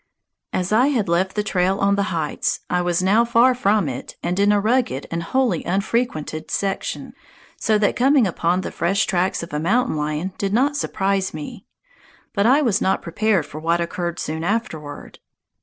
As I had left the trail on the heights, I was now far from it and in a rugged and wholly unfrequented section, so that coming upon the fresh tracks of a mountain lion did not surprise me. But I was not prepared for what occurred soon afterward.